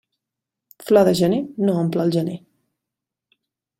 Flor de gener no omple el gener.